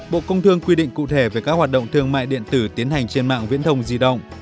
bộ công thương quy định cụ thể về các hoạt động thương mại điện tử tiến hành trên mạng viễn thông di động